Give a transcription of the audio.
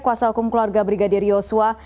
kuasa hukum keluarga brigadir yosua